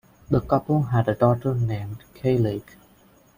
The couple had a daughter named Kayleigh.